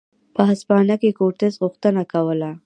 په هسپانیا کې کورتس غوښتنه کوله.